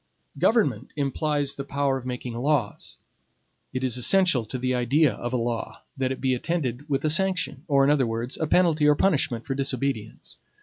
Government implies the power of making laws. It is essential to the idea of a law, that it be attended with a sanction; or, in other words, a penalty or punishment for disobedience.